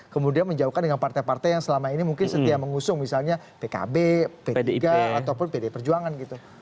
kemudian menjauhkan dengan partai partai yang selama ini mungkin setia mengusung misalnya pkb p tiga ataupun pd perjuangan gitu